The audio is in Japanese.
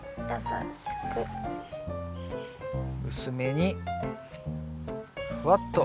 薄めにふわっと。